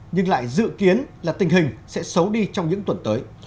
nhưng lại dự kiến là tình hình sẽ xấu đi trong những tuần tới